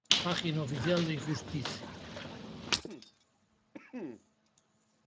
Página oficial de Injustice